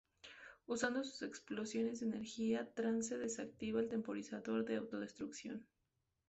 Usando sus explosiones de energía, Trance desactiva el temporizador de autodestrucción.